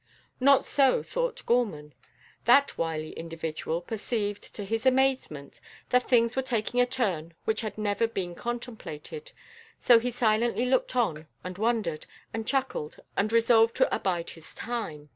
Not so thought Gorman. That wily individual perceived, to his amazement, that things were taking a turn which had never been contemplated, so he silently looked on and wondered, and chuckled and resolved to abide his time.